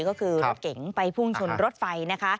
ก็คือรถเก๋งไปพุ่งชนรถไฟนะคะ